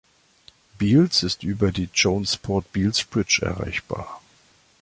Beals ist über die "Jonesport-Beals Bridge" erreichbar.